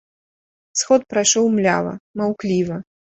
Сход прайшоў млява, маўкліва.